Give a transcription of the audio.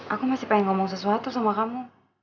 aku masih pengen ngomong sesuatu sama kamu